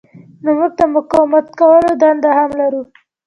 نو موږ د مقاومت کولو دنده هم لرو.